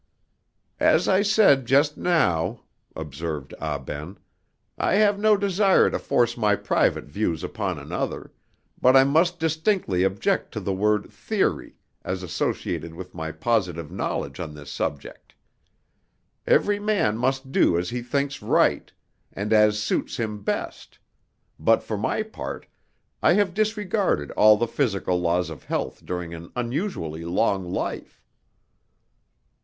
"As I said just now," observed Ah Ben, "I have no desire to force my private views upon another, but I must distinctly object to the word 'theory,' as associated with my positive knowledge on this subject. Every man must do as he thinks right, and as suits him best; but, for my part, I have disregarded all the physical laws of health during an unusually long life."